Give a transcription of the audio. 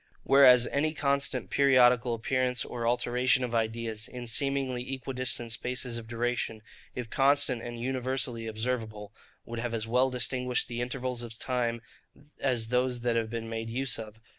Whereas any constant periodical appearance, or alteration of ideas, in seemingly equidistant spaces of duration, if constant and universally observable, would have as well distinguished the intervals of time, as those that have been made use of.